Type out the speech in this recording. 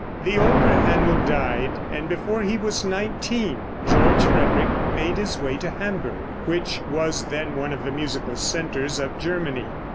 The older Händel died, and before he was nineteen George Frederick made his way to Hamburg, which was then one of the musical centers of Germany.